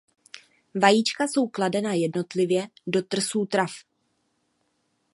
Vajíčka jsou kladena jednotlivě do trsů trav.